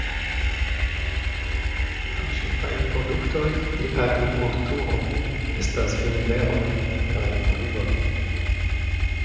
La ĉefaj produktoj de agrikulturo estas vinberoj kaj olivoj.